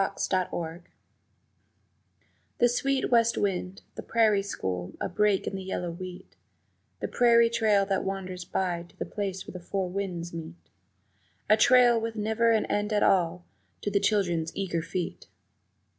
The Prairie School THE sweet west wind, the prairie school a break in the yellow wheat, The prairie trail that wanders by to the place where the four winds meet A trail with never an end at all to the children's eager feet.